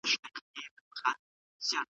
هغه له أبو العالية څخه نقل کړی دی.